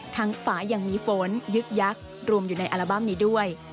ฝายังมีฝนยึกยักษ์รวมอยู่ในอัลบั้มนี้ด้วย